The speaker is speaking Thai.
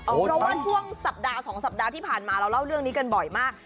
เพราะว่าช่วงสัปดาห์๒สัปดาห์ที่ผ่านมาเราเล่าเรื่องนี้กันบ่อยมาก